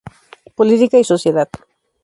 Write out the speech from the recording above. Política y sociedad".